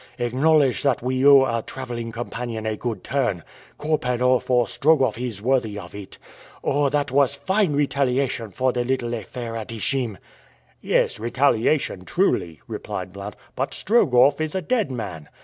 Acknowledge that we owe our traveling companion a good turn. Korpanoff or Strogoff is worthy of it. Oh, that was fine retaliation for the little affair at Ichim." "Yes, retaliation truly," replied Blount; "but Strogoff is a dead man.